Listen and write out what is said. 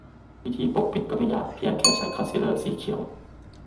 วิธีปกปิดก็ไม่ยากเพียงแค่ใช้คอนซีลเลอร์สีเขียว